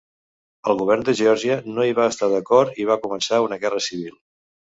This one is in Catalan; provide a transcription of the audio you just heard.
El govern de Geòrgia no hi va estar d'acord i va començar una guerra civil.